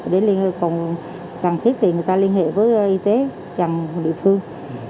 đến lúc cần thiết thì người ta liên hệ với y tế chăm địa phương